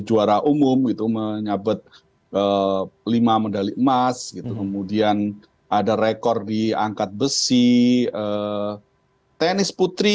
juara umum itu menyabet ke lima medali emas itu kemudian ada rekor diangkat besi tenis putri